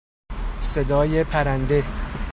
صدای پرنده